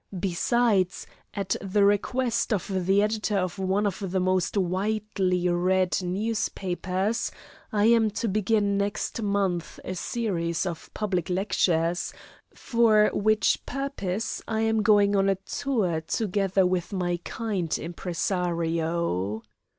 Besides, at the request of the editor of one of the most widely read newspapers, I am to begin next month a series of public lectures, for which purpose I am going on a tour together with my kind impresario.